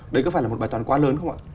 đấy có phải là một bài toán quá lớn không ạ